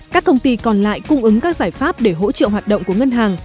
các công ty còn lại cung ứng các giải pháp để hỗ trợ hoạt động của ngân hàng